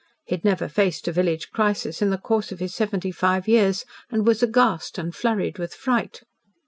He had never faced a village crisis in the course of his seventy five years, and was aghast and flurried with fright.